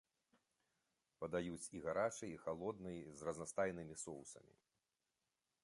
Падаюць і гарачай і халоднай, з разнастайнымі соусамі.